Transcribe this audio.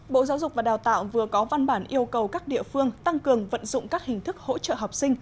bộ giáo dục và đào tạo vừa có văn bản yêu cầu các địa phương tăng cường vận dụng các hình thức hỗ trợ học sinh